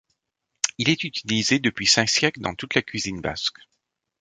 Il est utilisé depuis cinq siècles dans toute la cuisine basque.